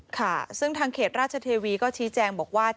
ค่ะซึ่งทางเขตราชเทวีก็ชี้แจงบอกว่า